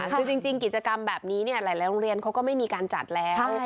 คือจริงกิจกรรมแบบนี้หลายโรงเรียนเขาก็ไม่มีการจัดแล้ว